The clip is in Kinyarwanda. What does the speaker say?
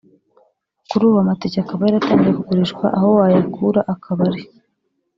Kuri ubu amatike akaba yaratangiye kugurishwa aho wayakura akaba ari